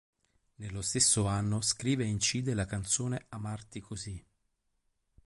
Nello stesso anno scrive e incide la canzone "Amarti così".